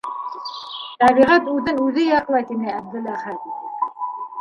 Тәбиғәт үҙен үҙе яҡлай, - тине Әптеләхәт.